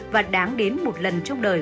và đáng đến một lần trong đời